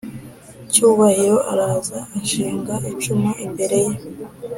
cyubahiro araza ashinga icumu imbere ye